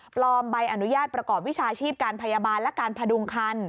ใบอนุญาตประกอบวิชาชีพการพยาบาลและการพดุงคัน